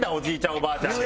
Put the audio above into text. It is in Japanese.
おばあちゃんに。